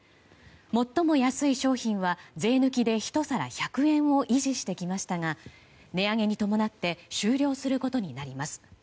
最も安い商品は税抜きで１皿１００円を維持してきましたが値上げに伴って終了することになります。